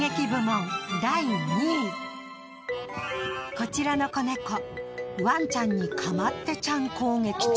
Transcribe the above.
こちらの子猫ワンちゃんにかまってちゃん攻撃中。